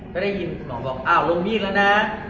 ก็ได้ยินคุณหมอว่าบอกอ้าวลงทีละนะ